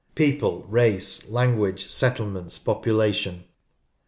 People — Race, Language, Settle= merits, Population.